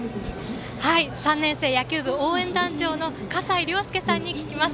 ３年生の野球部応援団長かさいさんに聞きます。